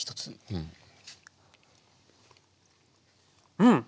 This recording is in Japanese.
うん！